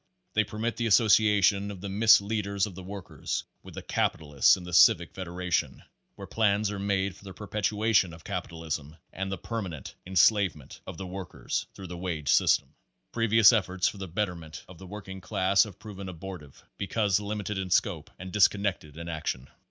They permit the association of the misleaders of the workers with the capitalists in the Civic Federa tion, where plans are made for the perpetuation of capitalism, and the permanent enslavement of the work ers through the wage system. Previous efforts for the betterment of the working class have proven abortive because limited in scope and disconnected in action.